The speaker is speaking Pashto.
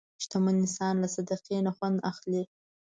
شتمن انسان له صدقې نه خوند اخلي.